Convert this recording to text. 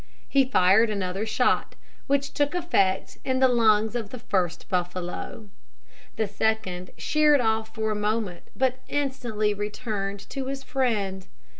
He fired another shot, which took effect in the lungs of the first buffalo. The second sheered off for a moment, but instantly returned to his friend.